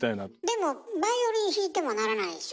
でもバイオリン弾いてもならないでしょ？